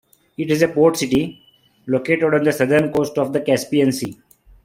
It is a port city, located on the southern coast of the Caspian Sea.